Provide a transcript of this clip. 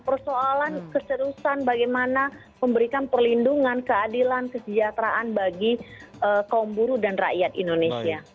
persoalan keserusan bagaimana memberikan perlindungan keadilan kesejahteraan bagi kaum buruh dan rakyat indonesia